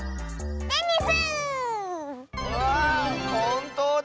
わあほんとうだ！